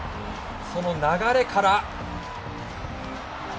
その流れから。